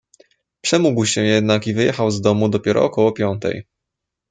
"Przemógł się jednak i wyjechał z domu dopiero około piątej."